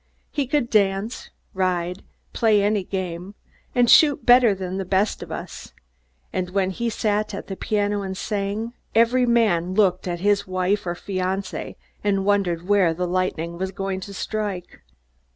He could dance, ride, play any game and shoot better than the best of us, and when he sat at the piano and sang, every man looked at his wife or his fiancée and wondered where the lightning was going to strike.